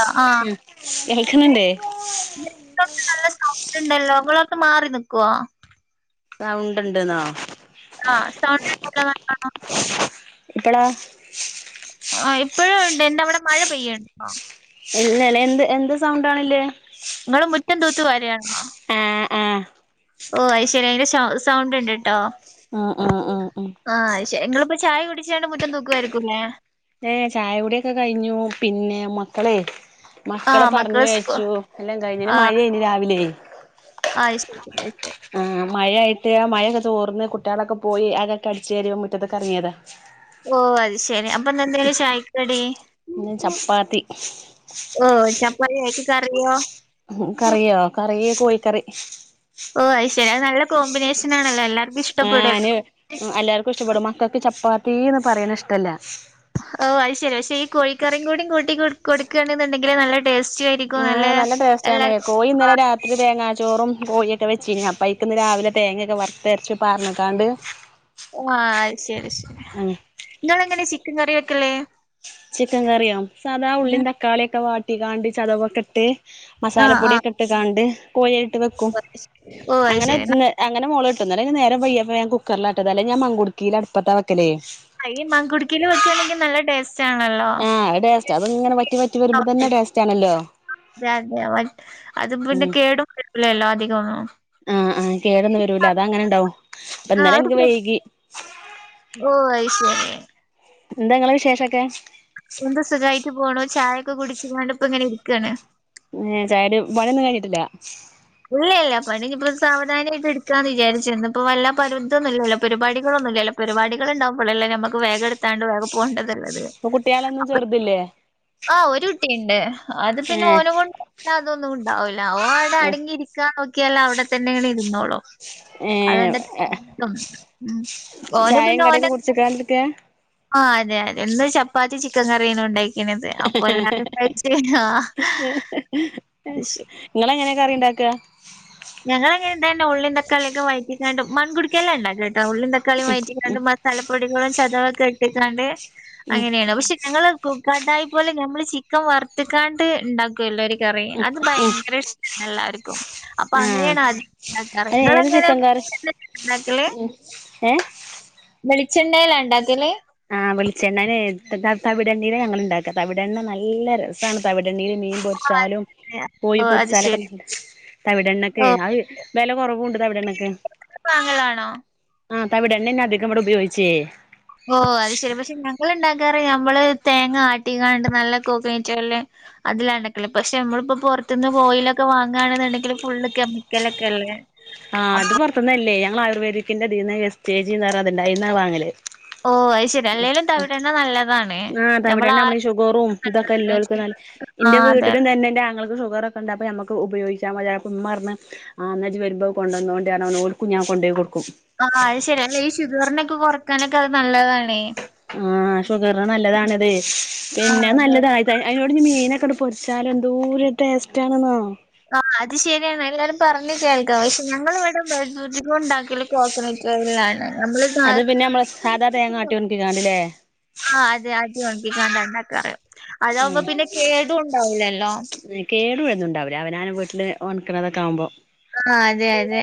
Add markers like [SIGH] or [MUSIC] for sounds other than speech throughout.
ആ ആ ഉം കേൾക്കണണ്ടേ [UNINTELLIGIBLE] നല്ല സൗണ്ട്ണ്ടല്ലോ ങ്ങളൊ ന്ന് മാറി നിക്കൊ സൗണ്ട്ണ്ട്ന്നോ ആ സൗണ്ട് [UNINTELLIGIBLE] ഇപ്പളോ ആ ഇപ്പഴുംണ്ട് എന്താ അവ്ടെ മഴ പെയ്യ്ണ്ടോ ഇല്ലെലെ എന്ത് എന്ത് സൗണ്ടാണ്ല്ലെ ങ്ങള് മുറ്റം തൂത്ത് വാരാണോ? ആ ഓ അത്ശെരി അയ്ന്റെ ശൗ സൗണ്ട്ണ്ട്ട്ടോ ആ ആ ആ ആ ഇങ്ങളിപ്പോ ചായ കുടിച്ചാണ്ട് മുറ്റം തൂക്കുവായ്രിക്കുംല്ലേ ഏ ചായ കുടിയാെക്കെ കയ്ഞ്ഞു പിന്നെ മക്കളെ മക്കളെ ആഹ് പർഞ്ഞു മക്കള് സ്കൂ അയ്ച്ചു എല്ലാം കഴിഞ്ഞു ന് മഴേന് രാവ് ലെ അയ്ശെരി അയ് ആ മഴായ്ട്ട് ആ മഴയൊക്കെ തോർന്ന് കുട്ട്യാളൊക്കെ പോയി അകക്കെ അട്ച്ചാരി പ്പോ മുറ്റത്ത്ക്കെർങ്ങ്യേതാ ഓ അത്ശെരി അപ്പന്നെന്തേനു ചായക്ക് കടി? പിന്നെ ചപ്പാത്തി ഓ ചപ്പാത്തി. അയ്ക്ക് കറിയോ? ഉം കറിയോ കറീ കോയിക്കറി ഓഹ് അത് ശരി അത് നല്ല കോമ്പിനേഷൻ ആണല്ലോ എല്ലാർക്കും ആ ഇഷ്ടപ്പെടല്ലോ ന് എല്ലാർക്കും ഇഷ്ടപ്പെടും. മക്കക്ക് ചപ്പാ ത്തീന്ന് പറയണിഷ്ടല്ല. ഓ അയ് ശരി. പക്ഷേ ഈ കോഴിക്കറീം കൂടി കൂട്ടി കൊട് കൊടുക്കാണെന്നുണ്ടെങ്കിൽ നല്ല ടേസ്റ്റി ആ ആയിരിക്കും നല്ല ടേസ്റ്റാണേ. എല്ലാർക്കും കോയിന്നലെ രാത്രി തേങ്ങാ ചോറും കോയിയൊക്കെ വെച്ചീനു. അപ്പ ഐക്കിന്ന് രാവിലെ തേങ്ങൊക്കെ വറുത്തെരച്ച് പാർന്ന്ക്കാണ്ട് ആ അയ്ശരി ശരി. ഉം ഇങ്ങളെങ്ങനെ ചിക്കൻ കറി വെക്കല്? ചിക്കൻ കറിയോ? സാദാ ഉള്ളിം തക്കാളിയൊക്കെ വാട്ടിക്കാണ്ട് ചതവൊക്കിട്ട് ആ ആ മസാലപ്പൊടിയൊക്കെ ഇട്ട്കാണ്ട് കോഴിയയിലിട്ട് വെക്കും. ഓ അത് ശരി ഓ അത് അങ്ങനെ ശരി. അങ്ങനെ മൊള് ഇന്നലെ ഞാൻനേരം വെയ്കിയപ്പോ ഞാൻ കുക്കറിലാട്ടത്. അല്ലെങ്ക് ഞാൻ മങ്കുടക്കേല് അടുപ്പത്താ വെക്കലേ. ഈ മൺകുട്ക്കേല് വെക്കാണെങ്കിൽ നല്ല ടേസ് ആ അത് ടേസ്റ്റ. അത്ങ്ങനെ വറ്റി വറ്റി വരുമ്പോ തന്നെ ടേസ്റ്റാണല്ലോ. രതെ അതും പിന്നെ കേടുംവര്ല്ലല്ലോ അധികൊന്നും. ആ ആ കേടൊന്നും വരൂല്ല. അതങ്ങനണ്ടാവും. ആ ഒരു അപ്പന്നലെൻക്ക് പ്ര വൈകി. ഓ അയ്ശരി. എന്താ ഇങ്ങളെ വിശേഷൊക്കെ? എന്ത് സുഖായിട്ട് പോണു. ചായൊക്കെ കുടിച്ച്ക്കാണ്ട് ഇപ്പങ്ങനെ ഇരിക്കാണ്. ഏ ചായെടി പണി ഒന്നും കഴിഞ്ഞിട്ടില്ല. ഇല്ല ഇല്ല പണി ഇപ്പോ സാവധാനായിട്ട് ഇട്ക്കാന്ന് വിചാരിച്ചു. ഇന്നുപ്പോ വല്ല പരുതൊന്നുല്ലല്ലോ. പരിപാടികളൊ ന്നുല്ലല്ലോ. പരുപാടികൾണ്ടാവുമ്പളല്ലേ അല്ലേ നമ്മക്ക് വേഗ എടുത്താണ്ട് വേഗ പോണ്ടത്ള്ളത്. ഇപ്പ കുട്ട്യാളൊന്നും ചെറ്ത് ല്ലേ? ആ ഒരു കുട്ടിണ്ട്. അത് പിന്നെ ഏഹ് ഓന കൊണ്ട് അതൊന്നുണ്ടാവൂല. ല്ല. ഓൻ അവടെ അടങ്ങിരിക്കാൻ നോക്കിയാല് അവടെ തന്നെങ്ങ്ട് ഇരുന്നോളും. ഏ അതന്റെ [INAUDIBLE] ഓന് ചായയും പിന്നെ ഓന്റെ കടിയൊക്കെ കുടിച്ചിക്കാണ്ടിരിക്ക ആ അതെ അതെ ഇന്നു ചപ്പാത്തിം ചിക്കൻ കറിയേനുണ്ടായി ഇന്നത്തേ അപ്പ എല്ലാരും കഴിച്ചെ കയ്ഞ്ഞോ? ആ അത് ശെരി. നിങ്ങള് എങ്ങനെ കറി ഉണ്ടാക്ക ഞങ്ങളങ്ങനെണ്ടായെന്നു ഉള്ളിന്തക്കാള്യക്കെ വയറ്റികാണ്ട്, മൺ കുടിക്കേലല്ലത് ആ ഉള്ളി തക്കാളീം വയറ്റിക്കാണ്ട് മസാലപ്പൊടികളും ചതവൊക്കെ ഇട്ടിക്കാണ്ട് ഉം അങ്ങനെയാണ് പക്ഷേ ഞങ്ങള് കു കടായി പോലെ ഞമ്മള് ചിക്കൻ വറുത്ത്ക്കാണ്ട് ഇണ്ടാക്ക്വല്ലോ എട കറി ഉം അത് ഉം ഭയങ്കര ഇഷ്ടാണേല്ലാർക്കും. പ്പ ആഹ് അങ്ങനേണ് [INAUDIBLE] ഇണ്ടാക്കാറ്. അത് ഏത് ഇങ്ങളെങ്ങനെ ചിക്കൻ കറി [INAUDIBLE] ഇണ്ടാക്കല്? ഉം ഏ? വെളിച്ചെണ്ണേലാ ഇണ്ടാക്കല്? ആ വെളിച്ചെണ്ണനേ എടുത്തിട്ടാ തവിടെണ്ണീല ഞങ്ങള് ഇണ്ടാക്കാ. തവിടെണ്ണ നല്ല രസാണ് തവിട് എണ്ണീല് മീൻ ഓഹ് അത് പൊരിച്ചാലും കോയി ഓഹ് അത് പൊരിച്ചാലൊക്കെ ശരി. നല്ല തവിടെണ്ണക്കെ ഓഹ് ആഹ് വെല കൊറവുണ്ട് തവിടെണ്ണക്ക്. ങ്ങളാണോ? ആ തവിടെണ്ണന്നേ അധികം ഇവടെ ഉപയോഗിച്ചേ. ഓ അത് ശരി പക്ഷെ ഞങ്ങള്ണ്ടാ ക്കാറ് ഞമ്മള് തേങ്ങ ആട്ടിക്കാണ്ട് നല്ല കോക്കനറ്റൊയില് അതിലാണ്ടക്കല്. പക്ഷേ നമ്മളിപ്പോ പൊർ ത്തുന്ന് ഓയിലൊക്കെ വാങ്ങാണെന്നുണ്ടെങ്കില് ഫുള്ള് കെമിക്കലൊക്കെ അല്ലേ? ആ ഇത് പൊറത്തുന്നല്ലേ. ഞങ്ങൾ ആയുർവേദിക്കിന്റെതീന്ന് എസ് കേ ജീ ന്നറഞ്ഞതിണ്ട് അയിന്ന വാങ്ങല്. ഓഹ്! അത് ശരി. അല്ലേലും തവിടെണ്ണ നല്ലതാണ്. ആ നമ്മള് തവിടെണ്ണമ്മള് ഷുഗറും ഇതൊക്കെല്ലോൽക്ക് നല്ല ന്റെ ആഹ് വീട്ടിലും അതെ. ഇതന്നെ. ന്റെ ആങ്ങൾക്ക് ഷുഗറൊക്ക് ണ്ട് ഞമ്മക്ക് ഉപയോഗിച്ചാമതി പറഞ്ഞപ്പ ഉമ്മാർഞ്ഞ് ന്ന ജ്ജ് വരുമ്പോ കൊണ്ടന്നോണ്ട്യാണ് പറഞ്ഞ് ഓൽക്കും ഞാ കൊണ്ടേയ്ക്കൊട് ആ അത് ശരി. അല്ല ഈ ഷുഗറിനൊക്കെ കൊറക്കാനൊക്കെ അത് നല്ലതാണേ. ആഹ് ഷുഗറിന് നല്ലതാണതേ ആഹ് പിന്നെ അതെ. നല്ലത അയ് അയില് മീനൊക്കെങ്ങട് പൊരിച്ചാലെന്തോരു ടേസ്റ്റ് ആണെന്നോ ആഹ് അത് ശരിയാണ് എല്ലാരും പറെഞ് കേൾക്കാ പക്ഷെ ഞങ്ങളിവ്ടെ ണ്ടായിരുന്നുധികുണ്ടാക്കല് കോക്കനട്ട് ഓയിലിൽ ആണ്. അത് പിന്ന മ്മള് സാദാ തേങ്ങാട്ടികൊണ്ട് ഇരുന്നാമതീല്ലേ? ആ അതെ ആട്ടി ഒണക്കിക്കാണ്ട് [UNINTELLIGIBLE] അതാവുമ്പോ പിന്നെ കേടും ഉണ്ടാവൂലല്ലോ ഉം കേട് വെര്ണ്ണ്ണ്ടാവൂല അവനാന്റെ വീട്ട്ല് ഒണക്കണതക്കാകുമ്പോ ആ അതെ അതെ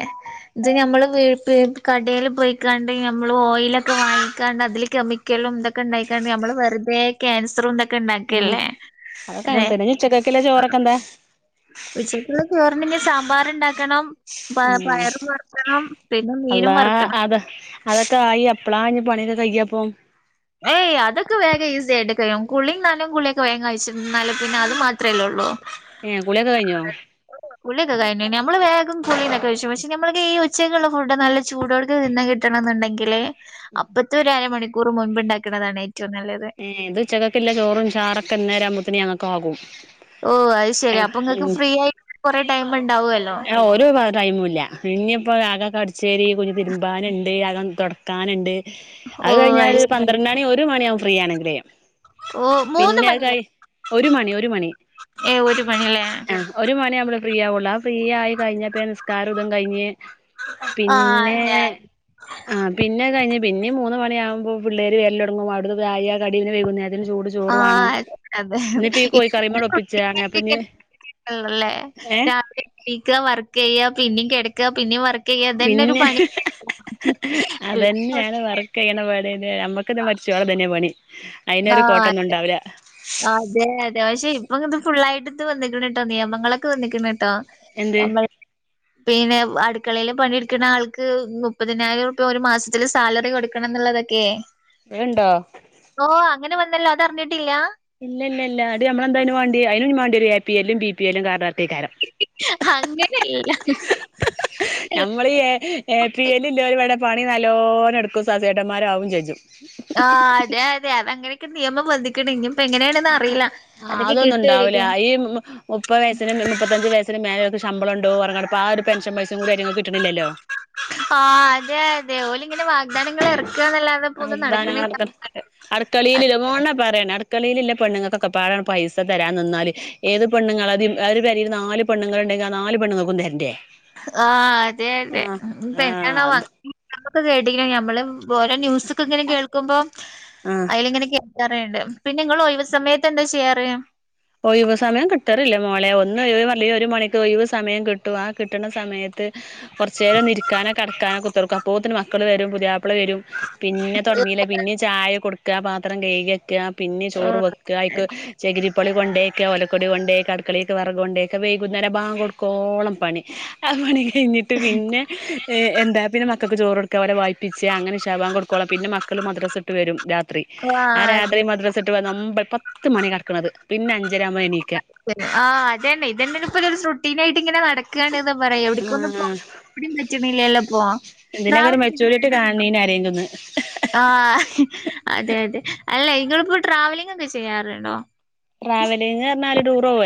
ഇത് നമ്മള് വീട്ട് കടേൽ പോയ്ക്കാണ്ട് ഞമ്മള് ഓയിലൊക്കെ വാങ്ങിക്കാണ്ട് അതില് കെമിക്കലും ന്തൊക്കെണ്ടായിക്കാണ്ട് നമ്മൾ വെറുതെ ക്യാൻസറുണ്ടാ ഉം ണ്ടാക്കിയല്ലേ അതൊക്കെ അതെ അങ്ങനെ തന്നെ ഇനി ഉച്ചക്കക്കില്ല ചോറൊക്കെ എന്താ ഉച്ചക്ക് ചോറും പിന്നെ സാമ്പാർണ്ടാക്കി ഉ പിന്നെ മീനും അല്ലാഹ് വറുക്കണം അത അതൊക്കെ ആയി എപ്പളാ ആ ഇഞ് പണിയൊക്കെ കയ്യപ്പൊ ഏയ് അതൊക്കെ വേം കയ്യും ഈസിയാട്ട് കഴിയും കുളീം നനേം കുളിയൊക്കെ വേഗം കഴിച്ചിരുന്നാല് പിന്നെ അത് മാത്രല്ലേള്ളൂ ഏ കുളിയൊക്കെ കയ്ഞ്ഞോ കുളിയൊക്കെ കയ്ഞ്ഞു നമ്മള് വേഗം കുള്യൊക്കെ കയ്ച്ച് പക്ഷെ നമ്മുക്ക് ഉച്ചേക്കുള്ള ഫുഡോക്കെ നല്ല ചൂടോട്‌ക്കെ തിന്നാൻ കിട്ടണംന്ന്ണ്ടെങ്കി ണ്ടെങ്കിൽ അപ്പത്ത ഒരു അരമണിക്കൂർ മുൻപ് ഉണ്ടാക്ക് ണതാണ് ഏറ്റ ഏ ഇത് ഉച്ചക്കെക്കൊള്ളെ ചോറും ചാറൊക്കെ ഇന്നേരാവുമ്പത്തിനും ഞങ്ങക്കാകും ഓ അയ് ശെരി അപ്പൊ ങ്ങക്ക് ഫ്രീ ആയിട്ട് കൊറേ ഒരു ടൈമുംല്ല ഇനിപ്പൊ അകൊക്കെ അടിച്ചേരി തുണി തിരുമ്പാനുണ്ട് അകൊന്ന് തൊട്‌ക്കാന്ണ്ട് ഓ അത് കഴിഞ്ഞാല് ശ ഒരു പന്ത്രണ്ട് മണി ഒരു മണിയാവും ഫ്രീ ആണെങ്കില് ഓ മൂന്ന് പിന്നെ അ മണിയോ കയ് ഒരു മണി ഒരു മണി ഏ ഒരു മണില്ലേ ആഹ് ഒരു മണിയാവുമ്പളേ ഫ്രീ ആവൊള്ളൂ ആ ഫ്രീ ആയി കഴിഞ്ഞപ്പനിസ്കാരൊതും കയ്ഞ്ഞ് ആ പിന്നെ അതെ ആ പിന്നെ കഴിഞ്ഞഞ് പിന്നിം മൂന്ന് മണിയാകുമ്പോ പിള്ളേര് വെരലോടങ്ങും അവിടുന്ന് ചായ കടി പിന്നെ വൈകുന്നേര അതിന് ചൂട് ആ. ചോറ് വേണം അതെ, അതെ. ഇന്നിപ്പീ ഇപ്പത്തെ കോഴിക്കറിയമ്മേണ്ട് ഒപ്പിച്ച അപ്പൊ ഇനി കുട്ടികൾക്കൊക്കെ ല്ലേ രാവിലെ എണിക്കാ വർക്ക് ചെയ്യ പിന്നിം കെടക്ക പിന്നിം വർക്ക് ചെയ്യാ ഇതന്നെ ഒരു പിന്നെ പണി [UNINTELLIGIBLE] നമ്മക്കിത് മര്ച്ചോളം ഇതന്നെ പണി ആ. അയ്നൊരു കോട്ടംന്നുണ്ടാവൂല അതെ അതെ പക്ഷെ ഇപ്പൊ ഇത് ഫുള്ളായിട്ട് തൊക്കെ വന്നക്ണോട്ടോ നിയമങ്ങളൊക്കെ വന്നിക്കണ് ആ എന്ത് നമ്മ പിന്നെ അടുക്കളയില് പണിയെടുക്ക്ണ ആൾക്ക് മുപ്പതിനായിരം രൂപ്യാ ഒരു മാസത്തില് സാലറി കൊടുക്കണ ന്നുള്ള തൊക്കെ ങ്ങനണ്ടോ അങ്ങനെ വന്നല്ലോ അതറിഞ്ഞിട്ടില്ല ഇല്ല ഇല്ല ഇല്ല അത് നമ്മളെന്തായിന് വാണ്ടിയെ അയനും വാണ്ടീരും A P L B P L card വർക്കേക്കാരം ഹി ഹി ഹി അങ്ങനല്ല ഹ് ഹ് ഹ ഞമ്മള് എപി എല്ല് ഇല്ലോലിവ്ടെ പണി നല്ലോണം എടുക്കും സാസ്യേട്ടന്മാരാവും ചേയ്യും ആഹ് അതെയ അതെ അങ്ങനെയൊക്കെ നിയമം വന്നക്കണ് ഇനിപ്പൊ എങ്ങനെണന്ന് അറിയില്ല ആ അതൊക്കെ അതൊന്നും ഉണ്ടാവില്ല കിട്ടുവായിരിക്കും ഈ മുപ്പത് വയസിന് മുപ്പത്തഞ്ചു വയസിന് മേലെക്കെ ഇ ശമ്പള ഉണ്ടോറ്ഞ് കൊണ്ട് ആ ഒരു പെൻഷ പൈസിം കൂടി ആയിറ്റിങ്ങൾക്ക് കിട്ടണില്ലല്ലോ ഇപ്പൊ ആ അതെ അതെ ഓല്ങ്ങനെ വാഗ്ദാനങ്ങളെർക്കും [UNINTELLIGIBLE] അടുക്കളിയിലില്ലേ നൊണ പറയന്നെ അട്‌ക്കളിയില്ള്ള പെണ്ണങ്ങക്കൊക്കപാടെ പൈസ തരാന് നിന്നാല്ഏത് പെണ്ങ്ങളാ ഒരു പെരേല് നാല് പണ്ണുങ്ങളണ്ട് നാല് പെണ്ങ്ങക്കും തെര്ണ്ടെ ആഹ്... അതെ.. അതെ.. ഇപ്പ ആഹ് എന്തണവോ അത് [UNINTELLIGIBLE] ഇപ്പൊ കേട്ടീക്കന നമ്മൾ ഓരോ ന്യൂസൊക്കെ ഇങ്ങനെ കേൾക്കുമ്പോ ആഹ് അയ്ല് ങ്ങനെ കേ [UNINTELLIGIBLE] പിന്നെങ്ങളൊയിവ് സമയത്തെന്താ ചെയ്യാറ്..? ഒയിവ് സമയം കിട്ടറില്ല മോളെ.. ഒന്ന് [UNINTELLIGIBLE] ഒരു മണിക്കൊയിവ് സമയം കിട്ടും.. ആ കിട്ടണ സമയത്ത് കൊറച്ചേരൊന്നിരിക്കാനോ കെടക്കാനോ കുത്തിർക്കും അപ്പോത്തിന് മക്കള്വരും പുതിയാപ്ലവരും പിന്നെ തൊടങ്ങി പിന്നീ ചായ കൊട്ക്ക പാത്രം കെയ്ക്യക്ക പിന്നി ചോറ് ആഹ് വെക്ക അയ്ക്ക് ചകിരി പ്പൊളി കൊണ്ടേക്ക ഒലക്കൊടി കൊണ്ടേക്ക അട്ക്കളീക്ക് വറകൊണ്ടേക്ക വൈകുന്നേര ബാങ്കൊട്ക്കോളം പണി [UNINTELLIGIBLE] കയ്ഞ്ഞിട്ട് പിന്നെ എന്താ പിന്നെ മക്കക്ക് ചോറൊട്ക്കാ അവരെ വായ്പ്പ് ചാ ങ്ങനെ ഇഷാ ബാങ്കൊട്ക്കോളം പിന്നെ മക്കള് മദ്രസട്ട് വരും രാത്രി ആ അതെ രാത്രി മദ്രട്ട് വന്ന് ഒമ്പത് പത്ത് മണി ആവും കെട്ക്കണത് പിന്നെ അഞ്ചരാമ്പ എണീക്ക ങാ... അതെന്നെ.. ഇതന്നിപ്പൊരു സ്രുട്ടീനായിട്ടിങ്ങനെ നടക് ക്കാണ്ന്ന് പറയാ. എവിടിക്കൊന്ന് പോ [INAUDIBLE] പറ്റ്ണില്ലല്ലപ്പൊ... തിനെക്കൊരു മെച്ചൂരിട്ടി കാണിണീന് ആരേലൊന്ന്. ആഹ്ഹ്... അതെ.. അതെ.. അല്ല ഇങ്ങളിപ്പൊ ട്രാവലിംഗൊക്കെ ചെയ്യാറ്ണ്ടോ..? ട്രാവലിങ്റഞ്ഞാല് ടൂറോവേ...?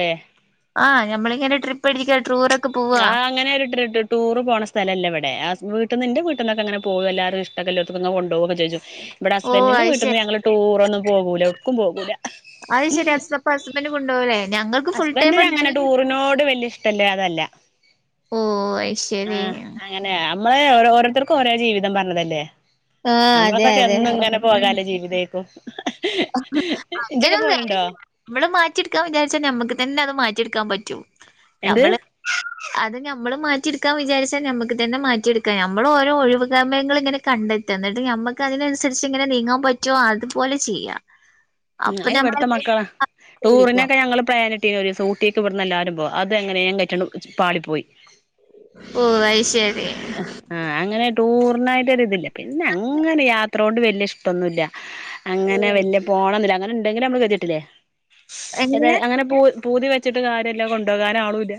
ആഹ് ഞമ്മളിങ്ങനെ ട്രിപ്പ് അടിക്ക ടൂറൊക്കെ പോവാ ഞാ... അങ്ങനൊരു [UNINTELLIGIBLE] ടൂറ് പോണ സ് സ്ഥലല്ലിവ്ടെ [UNINTELLIGIBLE] വീട്ട്ന്ന് ന്റെ വീട്ട്ന്നൊക്കെങ്ങനെ പോകല്ലാരുഷ്ടക്ക ലോത്തക്ക്ങ്ങനെ കൊണ്ടോകൊക്കെചോച്ച വിടെ ഓഹ് ഹസ്ബന്റിന്റെ അത് ശരി വീട്ട്ന്നങ്ങള് ടൂറൊന്നും പോകൂല.. ഏട്ക്കും പോകൂല... ക്ഹ.. അയ്ശരി.. ഹസ്.. പ്പ.. ഹസ്ബൻഡ് കൊണ്ടൊവുലെ ഞങ്ങ ഹസ്ബന്റിനങ്ങനെ ടൂറിനോട്.. വല്ല്യേ ഇഷ്ടല്ലാതല്ല. ങാ... ശരി അങ്ങനെ. അമ്മള് ഓരോര്ത്തർക്കോരോ ജീവിതം പറഞ്ഞതല്ലേ. ആഹ് അതെ അതെ നമ്മൾക്കൊക്കെന്നും ങ്ങനെ പോകാല്ല ജീവിതേര്ക്കും. അഹ്... അങ്ങനൊന്ന [INAUDIBLE] മ്മള് മാറ്റിെട്ക്കാ വിചാര് ച്ച ഞമ്മക്ക് തന്നത് മാറ്റിട്ക്കാ പറ്റും. എന്ത് ഞമ്മള് [UNINTELLIGIBLE] അത് ഞമ്മള് മാറ്റിട്ക്കാ വിചാര്ച്ചാ ഞമ്മക്ക് തന്നെ മാറ്റിട്ക്കാ. ഞമ്മളു ഓരോ ഒഴിവു സമയങ്ങളിങ്ങനെ കണ്ടെ ത്ത്ന്നട്ട് ഞമ്മക്കതിനൻസരിച്ച് ങ്ങനെ നീങ്ങാമ്പറ്റോ അത്പോലെ ചെയ്യ... ഉം.. അയ്വ്ട്ത്തെ മക്ക... ലൈഫിരിക്കും ടൂറിനൊക്കെ ഞങ്ങള് പ്ലാനി ട്ടീന്നോരീസം ഊട്ടീക്കിവ്ട്ന്നെല്ലാരും പോ.. അതെങ്ങനെങ്ങറ്റണു.. പാളി പോയ്. ഓ അത് ശരി ങ്ഹ്... ങ്ഹ്... ങാ.. അങ്ങനെ ടൂർനായ്റ്റൊരിതില്ല. പിന്നെങ്ങനെ. യാത്രോണ്ട് വല്ല്യ ഇഷ്ടൊന്നുല്ല. ഓ അങ്ങനെ വല്ല്യേ പോണംന്നില്ല അങ്ങനെണ്ടെങ്കില് മ്മള് കേത്ട്ടിലെ [UNINTELLIGIBLE] ഏത്.. എങ്ങനെ അങ്ങനെ പോ പൂതിവച്ചിട്ട് കാര്യല്ല.. കൊണ്ടോകാനാളൂല്ല..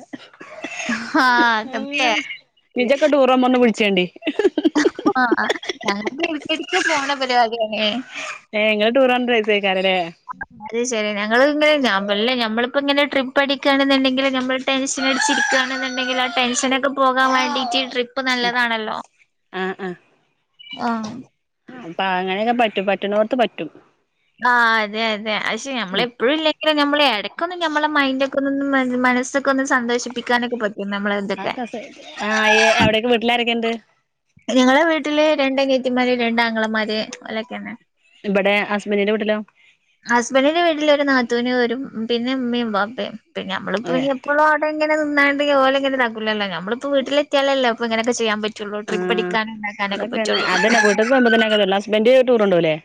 ആഹ് അതൊക്കെ ഹ്ഹഹ്ഹ്മ്മ്.... ഇജ്ജൊക്കെ ടൂറോകുമ്പൊന്ന് വിൾച്ചോണ്ടി... ങാ... അ.. ആ... [UNINTELLIGIBLE] ഞങ്ങക്കെടക്കെടക്ക് പോണ പരിപാടിയാണെ. ങേ... ങ്ങളെ ടൂർ എന്തായിപ്പോയി... അത്ശരി.. ഞങ്ങളുങ്ങനന്യാണ് തല്ലേ.. നമ്മളിപ്പോ ഇങ്ങനെ ട്രിപ്പ്‌ അടിക്കയാണെന്നൊണ്ടെങ്കില് ഞമ്മള് ടെൻഷനട്ച്ചിരിക്കാണ്ന്ന്ണ്ടെങ്കി ആ ടെൻഷനൊക്കെ പോ പോകാ വേണ്ടീറ്റ് ട്രിപ്പ് നല്ലതാണല്ലോ. ആഹ് ആഹ്.. പ്പാങ്ങനൊക്കെ പറ്റും. പറ്റുണോട്ത്തു പറ്റും. ആ.. അതെ.. അതെ.. അയ്ശ ഞമ്മളെപ്പഴുല്ലെങ്കിലു ഞമ്മളെട ക്കൊന്ന് ഞമ്മളെ മൈന്റൊക്കൊന്നൊന്ന് മനസ്സൊെക്കൊന്ന് സന്തോഷിപ്പിക്കാനൊക്കെ പ [UNINTELLIGIBLE] ങാ.. ഏ.. അവ്ടൊക്കെ വീട്ടിലാരൊക്കെണ്ട്..? ഞങ്ങളെ വീട്ടില് രണ്ടന്യേത്തിമാര്, രണ്ടാങ്ങളമാര് ഓല്ലൊക്കെന്ന. ഇബടെ ഹസ്ബന്റിന്റെ വീട്ടിലോ..? ഹസ്ബന്റിന്റെ വീട്ടിലൊരു നാത്തൂനൊരു.. മ്.. പിന്നെ ഉമ്മേം ബാപ്പേം. പിന്നമ്മള് ഏഹ് ഇപ്പവുങ്ങി എപ്പളുവടങ്ങ ന്നാണ്ട് ഓലങ്ങനെതാക്കൂലല്ലോ ഞമ്മള്പ്പോ വീട്ടിലെത്യാലല്ലേ അപ്പ ഇങ്ങനക്കെ ചിയ്യാം പ റ്റുള്ളൂ.. ട്രിപ്പ് ആഹ് അടിക്കാനുണ്ടാക്കാനൊക്കെ അതൊക്കെന്നെ പറ്റൊള്ളൂ. അതന്നെ വീട്ട്ക്ക് വരുമ്പോ തന്നെ ഹസ്ബന്റ് ടൂറ് കൊണ്ടോവുലേ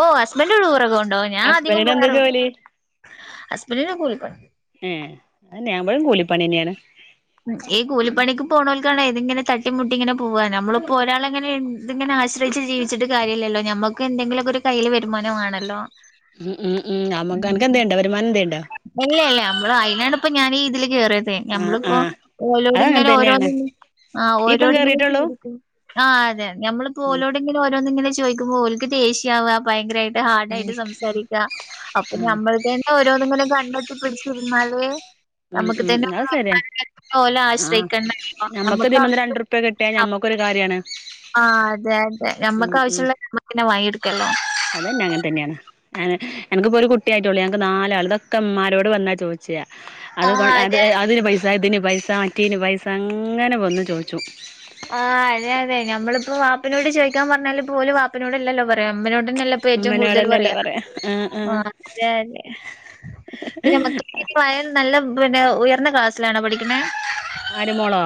ഓ ഹസ്ബന്റു ടൂറൊക്കകൊണ്ടോവും ഞാ അധികം പോകാറ് മ്മ്.. അയന്നെ [UNINTELLIGIBLE] കൂലി പണിയന്ന്യാണ്. ഉം.. ഈ കൂലിപ്പണിക്ക് പോണോൽ ക്കാണെ തിങ്ങനെ തട്ടിമുട്ടിങ്ങനെ പോവാ നമ്മളിപ്പൊരാളിങ്ങനെ [UNINTELLIGIBLE] തിങ്ങനാശ്രയ്ച്ച് ജീവിച്ട്ട്കാര്യല്ലല്ലോ ഞമ്മക്ക് എന്തെങ്കിലൊക്ക ഒരു കയ്യില് വരുമാനംമാണല്ലോ ഉം ഉം ഉം അമുക് അനക്ക് എന്തേണ്ടാ? വരുമാനം എന്തണ്ടോ ഇല്ല ഇല്ല നമ്മള് അയിലാണ് ഇപ്പ ഞാനീ ഇതില് കേറിയതേ. ആഹ് ഞമ്മളിപ്പോ ആഹ് അത് അങ്ങനെ ഓരോടിങ്ങനെ തന്നെയാണ് ഓരോന്നും ങാ.. ഇയ്യ് ഇപ്പം ഓരോടെങ്കിലും കേറിയിട്ടുള്ളൂ [UNINTELLIGIBLE] ങാ അതെ നമ്മളിപ്പോ ഉം ഓലോടിങ്ങ ഓരൊ ഇതെന്ത്ങ്ങനെ ചോദിക്കുമ്പോ ഒല്ക്ക് ദേഷ്യയാവുക പയങ്കരായിട്ട് ഹാർഡ് ആയിട്ട് സംസാരിക്ക.. അപ്പ ആഹ് നമ്മൾക്ക് തന്നെ ഓരോന്നിങ്ങനെ കണ്ട് ത് പിടിച്ചിരുന്നാലേ മം മം അത് സര്യാ ഓലെ ആ ആശ്രയിക്കണ്ടല്ലോ നമ്മക്ക് ദ് മ് ന്ന് രണ്ടുറുപ്യ കിട്ട്യ ഞമ്മക്കൊരു കാര്യാണ് ആ അതേ അതേ ഉം ഞമ്മക്ക് ഉം ആവശ്യള്ളത് ഞമ്മക്ക് പിന്നേ വാങ്ങിയെടുക്കാലോ ആ നെനക്ക്പ്പോ ഒരു കുട്ടിയായിട്ടള്ളൂ. ഞങ്ങക്ക് നാലാള്. ഇതൊക്കെമ്മാരോട് വന്നാ ചോച്ചാ അത് കൊ ആഹ് അത് അതെ അതിന് പൈസ ഇതിന് പൈസ മറ്റീന് പൈസ അങ്ങനെ വന്നു ചോച്ചു ക്കാൻ പറഞ്ഞാലുപ്പ ഓല് വാപ്പനോടല്ലല്ലോ പറയാ. ഉമ്മാനോടന്നല്ലേപ്പ ഏറ്റവും കൂടുതല് ഉമ്മനോടന്നെല്ലേ പറയാ ആഹ് ആ അതാണ്. പ്പ ഞമ്മക്ക്പ്പ ആഹ് [UNINTELLIGIBLE] നല്ല പിന്നെ ഉയർന്ന ക്ലാസിലണോ പഠിക്കണേ? ആര് മോളോ?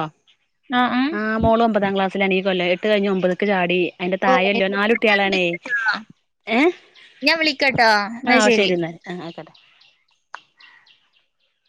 ആഹ് ആഹ് ആ മോള് ഒമ്പതാം ക്ലാസ്സ്ലാണ് ഈ കൊല്ലം. എട്ടു കഴിഞ്ഞ് ഒമ്പത്ക്ക് ചാടി. അയിന്റെ ഓഹ് തായല്ലോ നാല് കുട്ട്യോളാണേ. ഏ ഞാൻ വിളിക്കട്ടോ ആ എന്നാ ശരി ശരിന്നാ ആ ആക്കട്ടെ